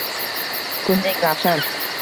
Kundek ravshan.